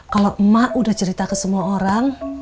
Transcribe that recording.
kalau emak udah cerita ke semua orang